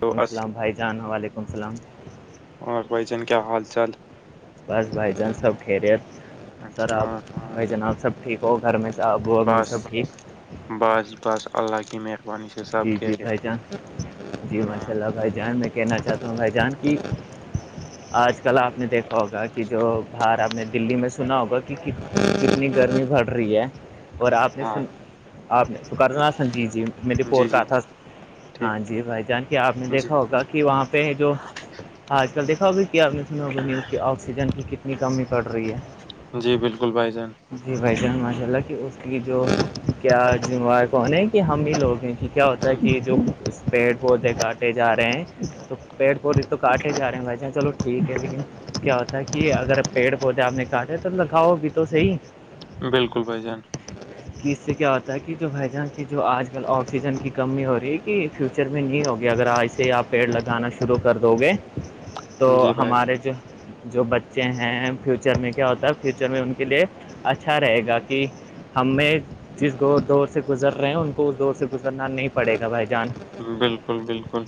تو اصل ولمسلامھائی جان وعلیکم السلام اور بیچن کیا حال چال بس بائی جان سب کرےت سر اچھا آپ جناب سب ٹھیک ہو گھر میں آب اھی بس سب ٹھیک بس بس اللہ کی میر جی جی بھائی چان جی ماشاء ہاں اللہ بھ جان میں کہنا چاہتا ہوں بھائی جان کی آج کل آپ نے دیکھا ہوگا کہ جو باہر آپ نے دللی میں سنا ہوگا کہ کنا کتنی گرمی بڑ رہی ہے اور آپ نے سن ہاں آپ نے شکرنہ سن جی جی م نے ور جی کا جی تھا ٹھیک ہاں جی بھائی جان کے آپ نے جی دیکھا ہوگا کہ وہاں پہ جو آج کل دیکھا ابھی کیا آپ نے سنا اس کی آکسیجن کی کتنی کمی پڑ رہی ہے جی بالکل بھائی جان جی ویسے ماشاء اللہ کہ اس کی جو کیا ذموار کون کہ ہم ہی لوگ ہیں کی کیا ہوتا ہے کہ جو پیڑ پودے کاٹے جا رہے ہیں تو پیڑ پودے تو کاٹے جاے ہیں بھائی جان چلو ٹھیک ہے لیکن کیا ہوتا ہے کہ اگر پیڑ پودے آپ نے کاٹے تو لگاؤ بھی تو صحیح بالکل بجان کہ اس سے کیا ہوتا ہے کہ جو بھائی جہاں کی جو آج کل آکسیجن کی کمی ہو رہی ہے کہ فیوچر میں نہیں ہوگیا اگر ایسے آپ پیڑ لگانا شروع کر دو گے تو جی بھائی ہمارے جو جو بچے ہیں فیوچر میں کیا ہوتا ہے فیوچر میں ان کے لیے اچھا رہے گا کہ ہمیں جس دور سے گزر رہے ہیں ان کو اس دور سے گزرنا نہیں پڑے گا بھائی جان بالکل بالکل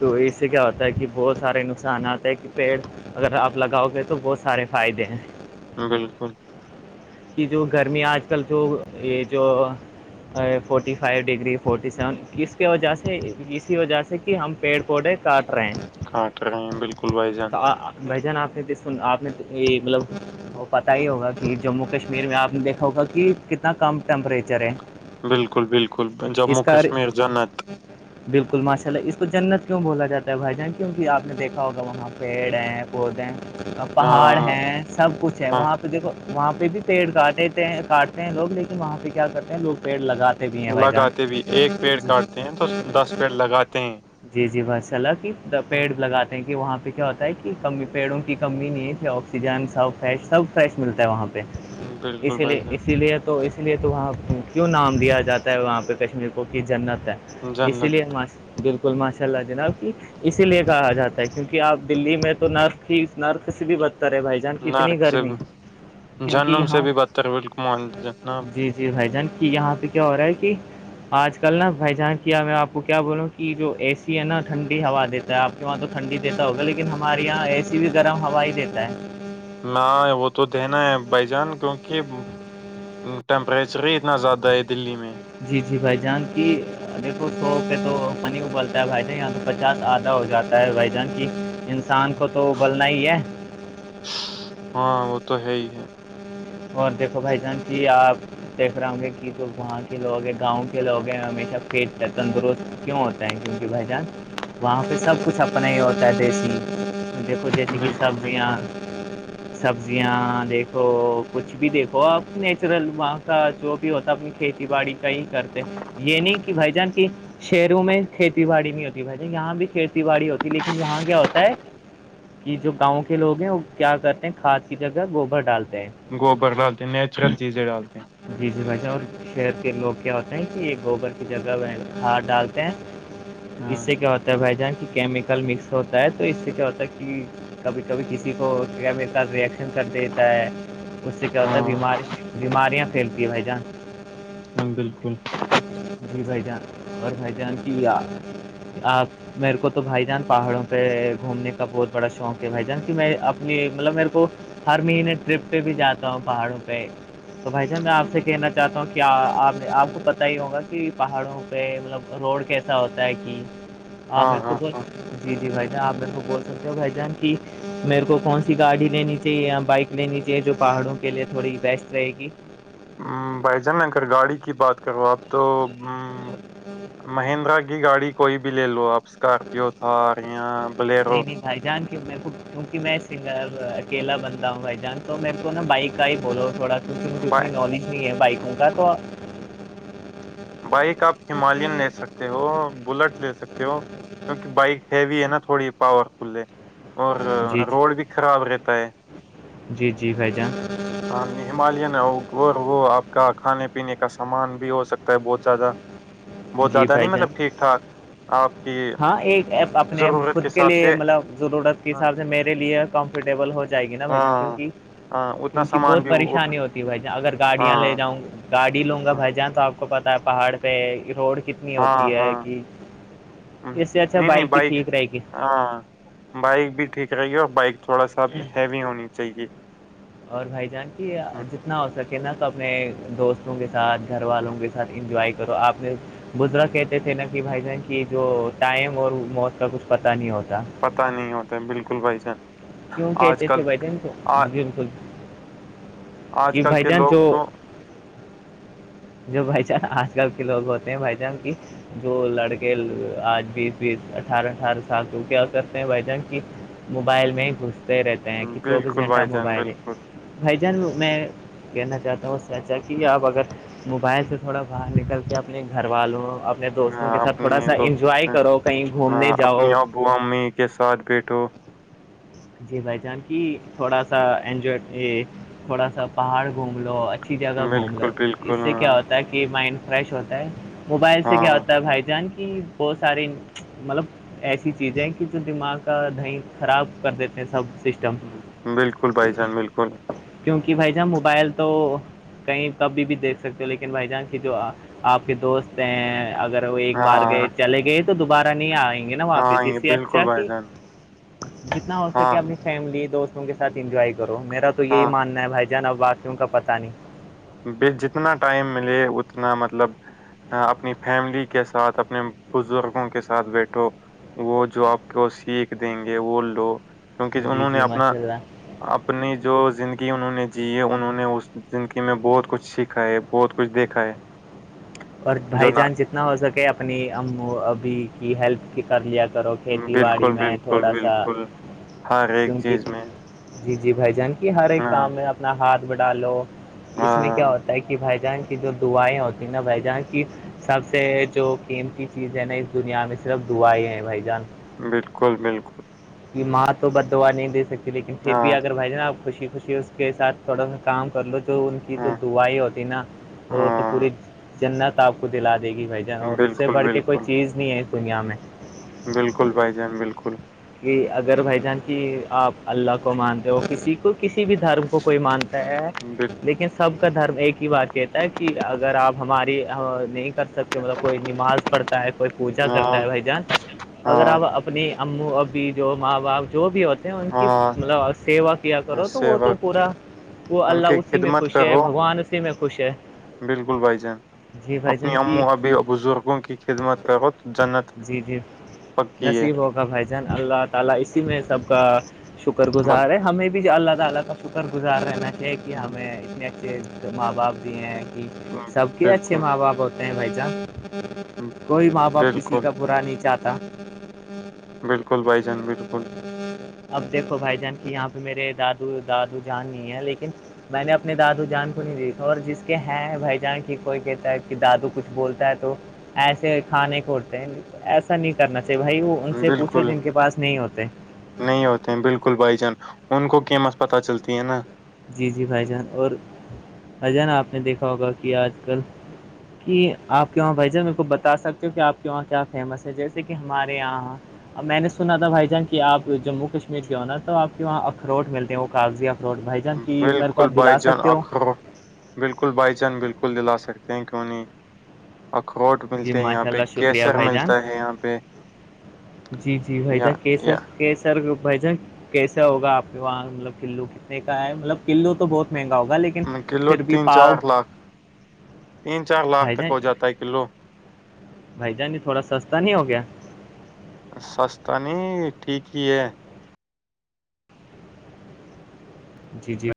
تو اس سے کیا ہوتا ہے کہ بہت سارے نقصانات ہیں کہ پیڑ اگر آپ لگاؤ گے تو بہت سارے فائدے ہیں بالکل یہ جو گرمیاں آج کل جو یہ جو forty five degree forty seven اس کی وجہ سے اسی وجہ سے ہم پیڑ پودے کاٹ رہے ہیں کاںٹ بالکل بھائی جان بھ جان آپ نے آپ نے مطلب وہ پتہ ہی ہوگا کہ جموں کشمیر میں آپ نے دیکھا ہوگا کہ کتنا کم ٹیمپریچر ہے بالکل بالکل اس جموں کا کشمیر جنت بالکل ماشاء اللہ اس تو جنت کیوں بولا جاتا ہے بھائی جان کیوںکہ آپ نے دیکھا ہوگا وہاں پیڑ ہیں پودے پہاڑ ہاں ہیں سب کچھ ہے ہاں وہاں پہ دیکھو وہاں پہ بھی پیڑ کاٹےتے ہیں کاٹتے ہیں لوگ لیکن وہاں پہ کیا کرتے ہیں لوگ پیڑ لگاتے نہیں ہے بھائی جان لگاتے بھی ایک پیڑ کاٹتے ہیں تو دس لگاتے ہیں جی جی بس چلا کہ ہاں، پیڑ لگاتے ہیں کہ وہاں پہ کیا ہوتا ہے کہ کمی پیڑوں کی کمی نہیں تھی اور س فریش سب فریش ملتا ہے وہاں پہ بالکل اسی بھائی لیے جان اسی لیے تو اس لیے تو وہاں کیوں نام لیا جاتا ہے وہاں پہ کشمیر کو کی جنت ہے اسی جنت لیے ہماش گل ماشاء اللہ جناب کہ اسی لیے کہا جاتا ہے کیونکہ آپ دلی میں تو نرق ہی نرق سے بھی بدتے بھائی کتنی نرک سے گرمی کیونکہ جہنم سے یہاں بھی بدتر بالکل مان جناب جی جی بھائی جان کہ یہاں سے کیا ہو رہا ہے کہ آج کل نا بھائی جان کیا میں آپ کو کیا بولوں کہ کہ جو ا سی ہے نا ٹھنڈی ہوا دیتا ہے آپ کے وہاں تو ٹھنڈی دیتا ہوگا لیکن ہمارے یہاں ا س کسی بھی گرم ہوا ہی دیتا ہے نہ وہ تو دینا ہے بھائی جان کیونکہ ٹیمپریچر ہی اتنا زیادہ ہے دلی میں جی جی بھائی جان کی دیکو سو پہ تو پانی ابلتا ہے بھائی ج یہاں پ ا آدھا ہو جاتا ہے بھ جان کی انسان کو تو ابلنا ہی ہے ہاں وہ تو ہے ہی ہے اور دیکھو بھائی جان جی آپ ا ہ گے کہ تو وہاں کے لوگ ہیں گاؤں کے لوگ ہیں ہمیشہ پ تندرست کیوں ہوتا تنک ی بھائی جان وہاں پہ سب کچھ اپنا ہی ہوتا ہے دیسی مجھے کچھ جیسے کہ بالکل سبزیاں بالکل سبزیاں دیکھو کچھ بھی دیکھو آپ نیچرل وہاں کا جو بھی ہوتا ہے اپنی کھیتی باڑی کا ہی کرتے یہ نہیں کہ بھائی جان کی شہروں میں کھیتی باڑی نہیں ہوتی بھائی ج یہاں بھی کھیتی باڑی ہوتی لیکن یہاں کیا ہوتا ہے کہ جو گاؤں کے لوگ ہیں وہ کیا کرتے ہیں کھاد کی جگہ گوبر ڈالتے ہیں [unintelligible] گوبر ڈالتے ہیں نیچرل چیزیں ڈالتے ہیں [unintelligible] جی جی بھائی جا اور [unintelligible] شہر کے لوگ کیا ہوتے ہیں کہ یہ گوبر کی جگہ وہ ہار ڈالتے ہیں [unintelligible] اس ہاں سے کیا ہوتا ہے بھائی جان کی کیمیکل مکس ہوتا ہے تو اس سے کیا ہوتا ہے کہ [unintelligible] کبھی کبھی کسی کو کیا میرے ساھ ریئیکشن کر دیتا ہے [unintelligible] اس سے کیا ہوتا ہے ہاں ہاں، بیاری بیماریاں پھیلتی ہے بھائی جان [unintelligible] ہ بالکل [unintelligible] جی بھائی جان اور بھائی جان کی آپ آپ [unintelligible] میرے کو تو بھائی جان پہاڑوں پہ گھومنے کا بہت بڑا شوق ہے بھائی جان کی میں اپنی مطلب میرے کو [unintelligible] فرمی نے [unintelligible] ٹرپ پہ بھی جاتا ہوں پہاڑوں پہ تو بھائی جان میں آپ سے کہنا چاہتا ہوں کیا آپ [unintelligible] آپ کو پت ہی ہوگا کہ پہاڑوں پہ مطلب روڈ کیسا ہوتا ہے کہ [unintelligible] ہاں میرے کول کو [unintelligible] جی جی بھائی جان آپ میرے کو بول سکتے ہو بھائی جان کہ میرے کو کون سی گای لینی چاہیے بائک [unintelligible] لینی چاہیے جو پہاڑوں کے لیے تھوڑی بیسٹ رہے گی [unintelligible] بھائی جان اگر گاڑی کی بات کرو آپ تو [unintelligible] ہ [unintelligible] مہندرا کی گاڑی کوئی بھی لے لو آپ اسکارپیو تھا اور یہاں [unintelligible] جی جی [unintelligible] بھائی جان کے کو کیونکہ میں سنگر اکیلا بنتا ہوں بھائی جان تو میرے کو نا بائیک کا ہی بولو تھوڑا [unintelligible] اس کی مجھے اتنی نالج نہیں ہے بائکوں کا ب تو [unintelligible] بائک آپ ہممالین لے سکتے ہو بلٹ لے سکتے ہو کیونکہ بائک ہیوی ہے نا تھوڑی پاور فل ہے اور جی روڈ بھی خراب رہتا ہے جی جی بھائی جان [unintelligible] ہاں ہمالین وہ وہ آپ کا کھانے پینے کا سامان بھی ہو سکتا ہے بہت زیادہ [unintelligible] [inaudible] بہت زیاد بھائی نہیں جان مطلب ٹھیک ٹھاک آپ کی ہاں ایک اپنے ضرورت خود کے حساب لیے سے مطلب ضرورت [unintelligible] ہاں حساب سے میرے لیے کمفرٹیبل ہو جائے گی نا بھ جان ہاں کیونکہ ہاں، [unintelligible] اتنا کیونکہ بہت سامان بھی اٹھ پریشانی ہوتی ہے بھائی اگر ہاں گاڑیاں لے جاؤں [unintelligible] گاڑی لوں گا ہاں بھائی جان تو آپ کو پتا ہے پہاڑ پہ روڈ [unintelligible] کتنی ہاں ہوتی ہے ہاں کہ ہم، اس سے اچھا نہیں نہیں بائک کی ٹھیک رہے گی [unintelligible] ہاں بائک بھی ٹھیک رہےی اور بائک تھوڑا ساب ہیوی ہونی چاہیے اور بھائی جان کی ہ جتنا ہو سکے نا تو اپنے دوستوں کے ساتھ گھر والوں کے ساتھ [unintelligible] ساتھ انجائے کرو آپ نے [unintelligible] بزرا کہتے تھے نا کہ بھائی جان کی جو ٹائم اور موت کا کچھ پتا نہیں ہوتا پتا نہیں ہوتا بالکل بھائی سان کیوں کہتے تھے بھٹ ان کو بالکل آج کہ کل بھائی کے جان لوگ جو تو جو بھائی چان آج کل کے لوگ ہوتے ہیں بھائی جان کی جو لڑکے آج بیس بیس اٹھارہ اٹھارہ سال تو وہ کیا کرتے ہیں بھائی جان کی موبائل میں ہی گھستے رہتے ہیں کہ چوبیس بالکل گھنٹہ بھائی جان موبائل ہے بالکل بھائی جان میں کہنا چاہتا ہوں سچا کہ آپ اگر موبائل سے تھوڑا باہر نکل کے اپنے گھر والوں اپنے آ، دوستوں کے ساتھ تھوڑا اپنے سا دوستوں انجوائے کرو کہیں گھومنے جاؤ ب امی کے ساتھ بیٹھو جی بھائی جان کی تھوڑا سا انجوائے تھوڑا سا پہاڑ گھوم لو اچ جگہ گھوم لو بالکل اس بالکل سے کیا ہاں ہوتا ہے کہ کہ مائنڈ فریش ہوتا ہے موبائل سے کیا ہاں، ہوتا ہے بھائی جان کی بہت ساری مطلب ایسی چیزیں کہ جو دماغ کا دہیں خراب کرتے تھے سب سسٹم بالکل بھائی جان بالکل کیونکہ بھائی جان موبائل تو کہیں کب بھی دیکھ سکتے ہو لیکن بھائی جان کی جو آپ کے دوست ہیں اگر ایک بار گئے ہاں چلے گئے تو دوبارہ نہیں آئیں گے نا ہاں واپس یہ اسی اچھا بالکل بھائی کہ جان جتنا ہو ہاں سکے اپنی فیملی دوستوں کے ساتھ انجوائے کرو میرا تو یہی ہاں ماننا ہے بھائی جناب بااتیوں کا پتہ نہیں ب جتنا ٹائم ملے اتنا مطلب اپنی فیملی کے ساتھ اپنے بزرگوں کے ساتھ بیٹھو وہ جو آپ کو سیکھ دیں گے وہ لو کیونکہ نہیں جی انہوں نے جی اپنا ماشاء اللہ اپنی جو زندگی انہوں نے جی ہے انہوں نے اسی میں بہت کچھ سیکھا ہے بہت کچھ دیکھا ہے اور جو بائی نہ چانس جتنا ہو سکے اپنی ہم ابھی کی ہیلپ کر لیا کرو کھیتی باڑی بالکل میں بالکل تھوڑا سا بالکل ہر ایک کیونکہ چیز میں جی جی بھائی جان کی ہر ایک ہاں کام میں اپنا ہاتھ بٹالو اس میں کیا ہاں ہوتا ہے کہ بھائی جان کی جو دعائیں ہوتی نا بھائی جہاں کی سب سے جو قیمتی چیز ہے نا اس دنیا میں صرف دع ہے بھائی جان بالکل بالکل ماں تو بدعا نہیں دے سکتی لیکن پھر ہاں بھی اگر بھائی جانا آپ خوشی خوشی کے ساتھ تھوڑا سا کام کر لو جو ان کی جو ہاں دعائی ہوتی نا وہ تو پوری ہاں جنت آپ کو دلا دے گی بھائی جان اور اس سے بالکل بڑھ کے کوئی بالکل چیز نہیں ہے اس دنیا میں بالکل بھائی جان بالکل کہ اگر بھائی جان کہ آپ اللہ کو مانتے ہو کسی کو کسی بھی دھرم کو کوئی مان بال لیکن سب کا دھرم ایک ہی بات کہتا ہے کہ اگر آپ ہماری نہیں کر سکتے مطلب کوئی نماز پڑتا ہے کوئی پوجا کرتا ہاں ہے بھائی جان اگر ہاں آپ اپنی او ابی جو ماں باپ جو بھی ہوتے ان کی ہاں مطلب سیوا کیا کرو تو سے وہ تو وقت پورا وہ ان اللہ کی اسی میں خدمت خوش ہے کرو بھگوان اسی میں خوش ہے بالکل بھائی جان جی بھائی اپنی جان کی امو ابھی اور بزرگوں کی خدمت کرو جنت جی جھر پکی ہے کا بھ جان اللہ تعالی اسی میں سب کا شکر بل گزار ہے ہمیں بھی اللہ تعالی کا شکر گزار رہنا چاہیے کہ ہمیں اتنے اچھے ماں باپ دیے ہیں سب کے اچھے بالکل ماں باپ ہوتے ہیں بھائی جان کوئی ماں باپ کسی بالکل کا با نہیں چاہتا بالکل بائی جان بالکل ہ اب دیکھو بھائی جان کی یہاں پہ میرے دادو دادو جان نہیں ہے لیکن میں نے اپنے دادو جان کو نہیں دیکھا اور جس کے ہیں بھائی جان کی کوئی کہتا ہے کہ دادو کچھ بولتا ہے تو ایسے کھانے کوھتے ہیں ایسا نہیں کرنا چاہیے بھائی وہ ان سے پوچھو بالکل جن کے پاس نہیں ہوتے نہیں ہوتے ہیں بالکل بھائی جان ان کو قیمت پتا چلتی ہے نا جی جی بھائی جان اور بھائی جان آپ نے دیکھا ہوگا کہ آج کل کہ آپ کے وہاں بھائی جان میرے کو بتا سکتے ہو کہ آپ کے وہاں کیا فیمس ہے جیسے کہ ہمارے یہاں اب میں نے سنا تھا بھائی جان کہ آپ جموں کشمیر کے ہو نا تو آپ کے وہاں اخروٹ ملتے ہیں وہ کاغذی اخروٹ بھائی جان کی میرے کو بالکل آپ بھائی دلا جان سکتے ہو اخرو بالکل بائی چانس بالکل دلا سکتے ہیں کیوں نہیں اخروٹ جی ملتے ہیں یہاں ماشاء پہ اللہ شکریہ کیسر بھائی جان ملتا ہے یہاں پہ جی جی بھائی یا جان کیسر یا کیسر بھائی جان کیسا ہوگا آپ کے وہاں مطلب کلو کتنے کا ہے مطلب کلو تو بہت مہنگا ہوگا لیکن کلو پھر بھی تین پاؤ چار لاکھ تین چار لاکھ بھائی تک جان ہو جاتا ہے کلو بھائی جان تھوڑا سستا نہیں ہو گیا سستا نہیں ٹھیک ہی ہے جی جی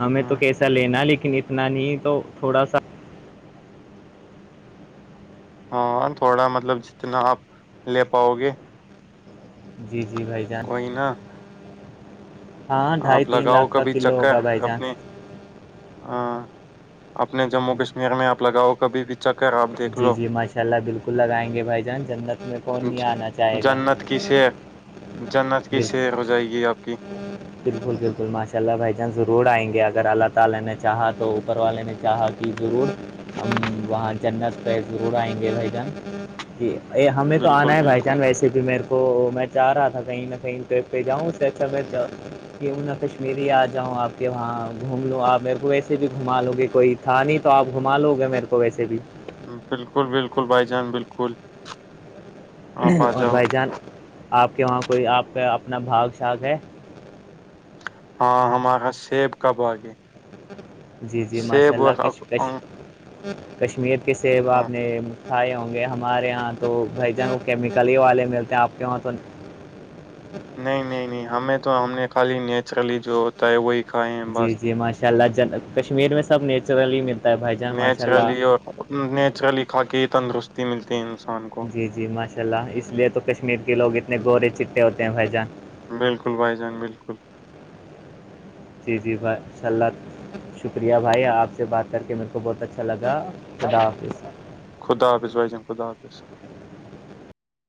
ہمیں تو ہاں کیسا لینا لیکن اتنا نہیں تو تھوڑا سا ہاں تھوڑا مطلب جتنا آپ لے پاؤ گے جی جی بھائی جان کوئئی نہ ہاں آپ ڈھائی تین لگاؤ لاکھ کا کبھی کلو چکر ہوگا بھائی جان اپنی ہاں اپنے جموں کشمیر میں آپ لگاؤ کبھی بھی چکر آپ دیکھ جی لو جی ماشاء اللہ بالکل لگائیں گے بھائی جان جنت میں کون نہیں آنا چاہے گا جنت کی س جنت کی سیر ہو جائے گی آپ کی بلکل بلکل بھیجا ضرور آئینگے اگر اللتالہ نے چاہا تو اوپر والے نے چاہا تو ضرور ہماں جنت پہ ضرور آئیں گے بھائی جان جی ہمیں تو بالکل آنا ہے بھائی بالکل جان ویسے جکہ میرے کو میں چاہ رہا تھا کہیں نہ کہیں پہ جاؤں اس کہا کشمییر ہی آ جاؤں آپ کے وہاں گھوم لو آپ میرے کو ویسے بھی گھما لو گے کوئی تھانی تو آپ گھما لو گے میرے کو ویسے بھی بالکل بالکل بھائی جان بالکل آپ آ اور جاؤ بھائی جان آپ کے وہاں کوئی آپ کا اپنا بھاگ شھاگ ہے ہاں ہم ا کا سیب کب گے جی جی ماشاء اللہ کش اک- کش انگ- کشمیر کے سیب آپ ہاں نے کھائے ہوں گے ہمارے یہاں تو بھائی جن کیمیکلی ہی والے ملتے ہیں آپ کہاں تو نہیں نہیں نہیں ہمیں تو ہم نے خالی نیچرلی جو ہے وہیائ جی جی ماشاء اللہن کشمیر میں سب نیچورلی ملتا ہے بھائی جان ماشاء اللہ نیچرلی اور نیچرلی کھا کے تندرستی ملتی ہے انسان کو جی جی ماشاء اللہ اس لیے تو کشمیر کے لوگ اتنے گورے چٹے ہوتے ہیں بھائی جان بالکل بھائی جان بالکل جی جی بھائی ان شاء اللہ شکریہ بھائی آپ سے بات کر کے میرے کو بہت اچھا لگا خدا حافظ خداظ بائیا خدافظ